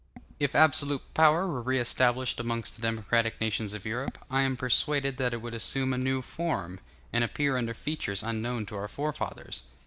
If absolute power were re established amongst the democratic nations of Europe, I am persuaded that it would assume a new form, and appear under features unknown to our forefathers.